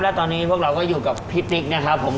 และตอนนี้พวกเราก็อยู่กับพี่ติ๊กนะครับผม